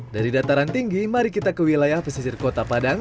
dari dataran tinggi mari kita ke wilayah pesisir kota padang